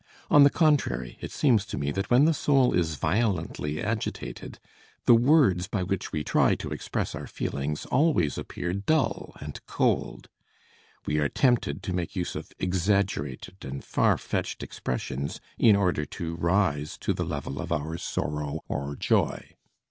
On the contrary, it seems to me that when the soul is violently agitated, the words by which we try to express our feelings always appear dull and cold; we are tempted to make use of exaggerated and far fetched expressions in order to rise to the level of our sorrow or joy.